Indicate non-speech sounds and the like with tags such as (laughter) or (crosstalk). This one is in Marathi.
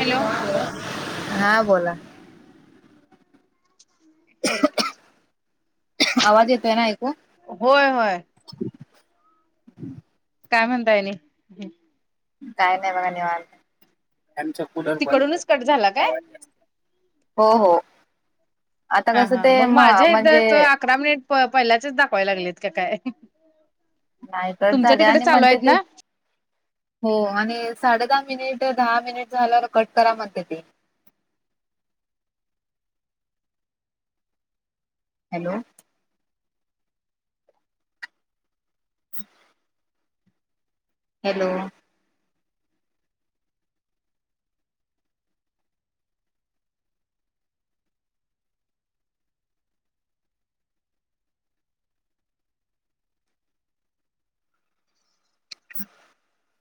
हॅलो हा बोला. (unintelligible) आवाज येतोय ना ऐकु. होय होय. काय म्हणताय आणि. काय नाही बघा निवांत, (unintelligible) तिकडूनच कट झाला काय हो हो, आता हा कसं हा ते मग म माझ्या म्हणजे इथं अकरा मिनिट प पहिल्याचेच दाखवायला लागलेत का काय? नाही तर तुमच्या झाले तिकडे आणि चालू म्हणते आहेत ते ना हो आणि साडे दहा मिनिट दहा मिनिट झालं कट करा म्हणते ते. हॅलो. हॅलो. (inaudible)